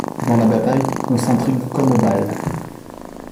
Dans la bataille on s’intrigue comme au bal.